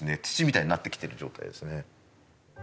土みたいになってきてる状態ですね。